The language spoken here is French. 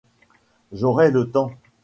J'aurai le temps.